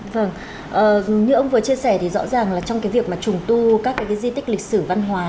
vâng như ông vừa chia sẻ thì rõ ràng là trong cái việc mà trùng tu các cái di tích lịch sử văn hóa